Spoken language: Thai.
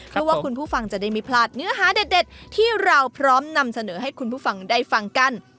เพราะว่าคุณผู้ฟังจะได้ไม่พลาดเนื้อหาเด็ดที่เราพร้อมนำเสนอให้คุณผู้ฟังได้ฟังกัน